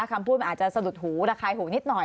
คำพูดมันอาจจะสะดุดหูระคายหูนิดหน่อย